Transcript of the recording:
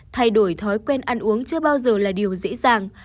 thay đổi thói quen ăn uống chưa bao giờ là điều dễ dàng